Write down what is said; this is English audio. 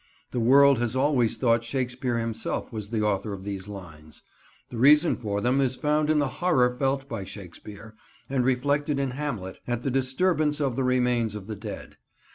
The world has always thought Shakespeare himself was the author of these lines. The reason for them is found in the horror felt by Shakespeare—and reflected in Hamlet—at the disturbance of the remains of the dead.